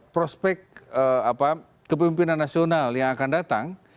prospek kepemimpinan nasional yang akan datang